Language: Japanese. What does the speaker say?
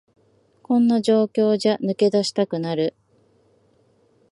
こんな状況じゃ投げ出したくなる